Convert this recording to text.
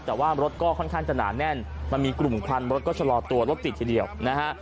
แต่ว่ารถก็ค่อนข้างจะหนาแน่นมันมีกลุ่มควันรถก็ชะลอตัวรถติดทีเดียวนะฮะ